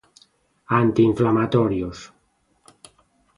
Antiinflamatorios.